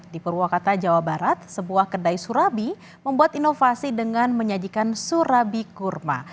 di purwakarta jawa barat sebuah kedai surabi membuat inovasi dengan menyajikan surabi kurma